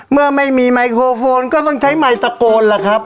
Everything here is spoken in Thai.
เมื่อไม่มีไมโครโฟนก็ต้องใช้ไมค์ตะโกนล่ะครับ